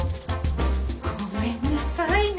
ごめんなさいね